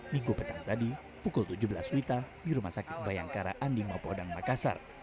minggu petang tadi pukul tujuh belas wita di rumah sakit bayangkara andi mapoldang makassar